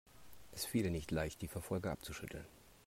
Es fiel ihr nicht leicht, die Verfolger abzuschütteln.